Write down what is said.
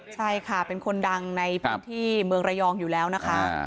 ใช่ค่ะเป็นคนดังในพื้นที่เมืองระยองอยู่แล้วนะคะ